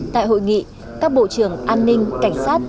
tại hội nghị các bộ trưởng an ninh cảnh sát